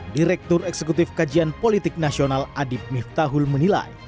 direktur eksekutif kajian politik nasional adib miftahul menilai